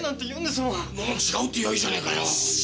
そんなもん違うって言やあいいじゃねえかよ。